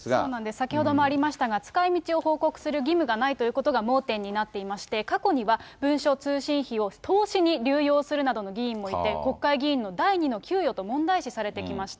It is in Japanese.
先ほどもありましたが、使いみちを報告する義務がないということが盲点になっていまして、過去には文書通信費を投資に流用するなどの議員もいて、国会議員の第２の給与と問題視されてきました。